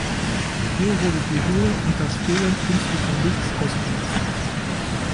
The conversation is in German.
Hier wurde die Höhe und das Fehlen künstlichen Lichts ausgenutzt.